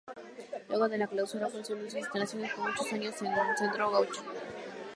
Luego de la clausura funcionó en sus instalaciones por muchos años un centro gaucho.